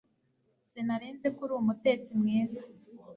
Sinari nzi ko uri umutetsi mwiza